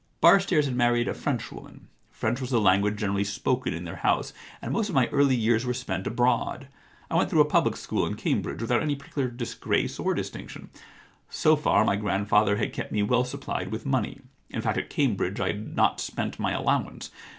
Bar stairs had married a Frenchwoman. French was the language generally spoken in their house, and most of my early years were spent abroad. I went through a public school and Cambridge without any particular dis grace or distinction. So far, my grandfather had kept me well supplied with money ; in fact, at Cambridge I had not spent my allowance.